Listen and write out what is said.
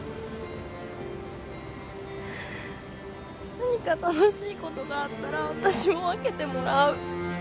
何か楽しいことがあったらわたしも分けてもらう。